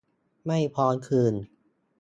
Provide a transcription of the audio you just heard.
ไม่พร้อมคืน